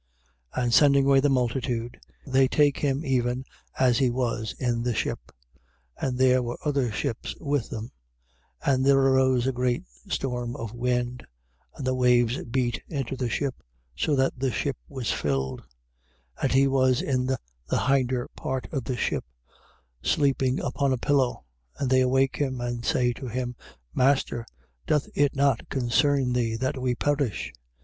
4:36. And sending away the multitude, they take him even as he was in the ship: and there were other ships with him. 4:37. And there arose a great storm of wind, and the waves beat into the ship, so that the ship was filled. 4:38. And he was in the hinder part of the ship, sleeping upon a pillow; and they awake him, and say to him: Master, doth, it not concern thee that we perish?